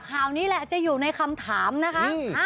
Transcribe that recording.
ข่าวนี้แหละจะอยู่ในคำถามนะคะ